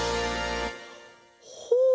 ほう！